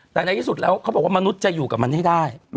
แต่ในที่สุดแล้วเขาบอกว่ามนุษย์จะอยู่กับมันให้ได้